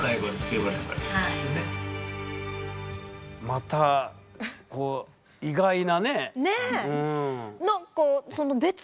またこう意外なね。ね。